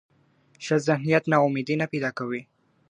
ښه ذهنیت ناامیدي نه پیدا کوي.